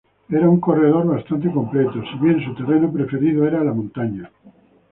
Era un corredor bastante completo, si bien su terreno preferido era la montaña.